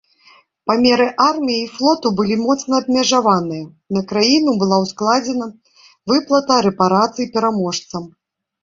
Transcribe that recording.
Памеры арміі і флоту былі моцна абмежаваныя, на краіну была ўскладзена выплата рэпарацый пераможцам.